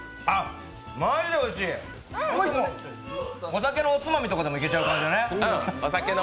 お酒のおつまみとかでもいけちゃう感じだね。